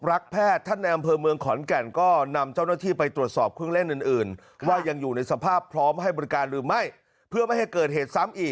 แล้วมีถึงเมื่อไหร่นี้